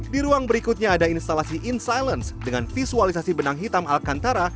di ruang berikutnya ada instalasi in silence dengan visualisasi benang hitam alcantara